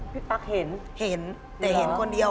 พี่ป๊ากเห็นมั้ยเห็นแต่เห็นคนเดียว